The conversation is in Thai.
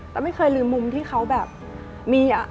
ต้องไม่เคยลืมมุมที่เขาแบบมีอะ